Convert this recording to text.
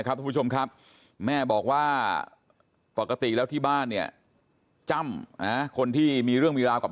ทุกผู้ชมครับแม่บอกว่าปกติแล้วที่บ้านเนี่ยจ้ำคนที่มีเรื่องมีราวกับ